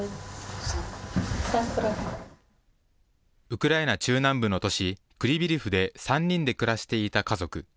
ウクライナ中南部の都市クリビリフで３人で暮らしていた家族。